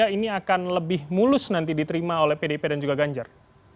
ini akan lebih mulus nanti diterima oleh pdip dan juga ganjar